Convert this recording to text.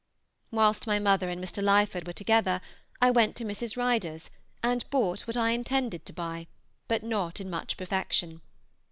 Whilst my mother and Mr. Lyford were together I went to Mrs. Ryder's and bought what I intended to buy, but not in much perfection.